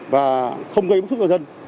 và không gây bức xúc cho dân